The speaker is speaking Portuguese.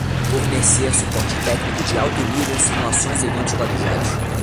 Fornecer suporte técnico de alto nível em simulações e eventos planejados.